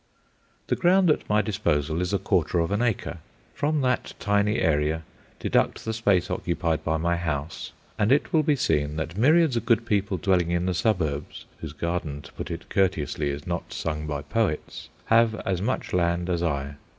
The ground at my disposal is a quarter of an acre. From that tiny area deduct the space occupied by my house, and it will be seen that myriads of good people dwelling in the suburbs, whose garden, to put it courteously, is not sung by poets, have as much land as I.